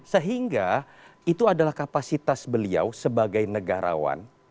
sehingga itu adalah kapasitas beliau sebagai negarawan